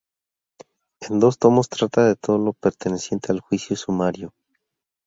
En dos tomos trata todo lo perteneciente al juicio sumario.